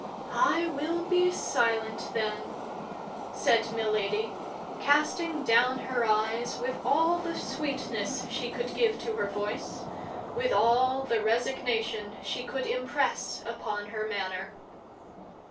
"I will be silent, then," said Milady, casting down her eyes with all the sweetness she could give to her voice, with all the resignation she could impress upon her manner.